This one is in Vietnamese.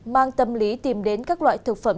mang tâm lý tìm đến các loại thực phẩm